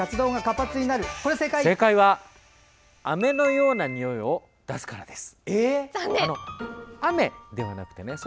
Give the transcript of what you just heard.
正解はアメのようなにおいを出すからです。